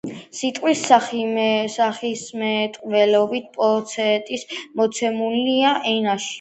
სიტყვის სახისმეტყველებითი პოტენცია მოცემულია ენაში,